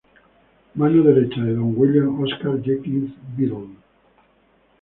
Mano derecha de Don William Oscar Jenkins Biddle.